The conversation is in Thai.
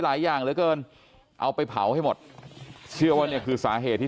อย่างเหลือเกินเอาไปเผาให้หมดเชื่อว่าเนี่ยคือสาเหตุที่